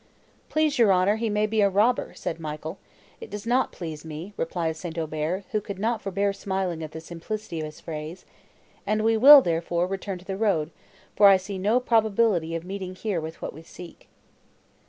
"Please your honour, he may be a robber," said Michael. "It does not please me," replied St. Aubert, who could not forbear smiling at the simplicity of his phrase, "and we will, therefore, return to the road, for I see no probability of meeting here with what we seek."